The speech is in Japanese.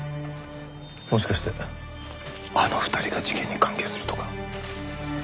もしかしてあの２人が事件に関係するとか。